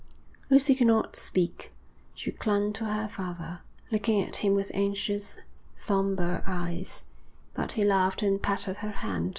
Lucy could not speak. She clung to her father, looking at him with anxious, sombre eyes; but he laughed and patted her hand.